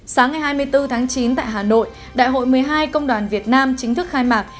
sáng ngày hai mươi bốn tháng chín tại hà nội đại hội một mươi hai công đoàn việt nam chính thức khai mạc